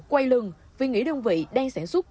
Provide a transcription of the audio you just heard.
quay lưng vì nghĩa đơn vị đang sản xuất